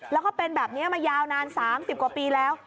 แล้วก็เป็นแบบนี้มายาวนาน๓๐กว่าปีแล้ว